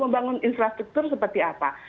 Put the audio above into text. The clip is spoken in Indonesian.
membangun infrastruktur seperti apa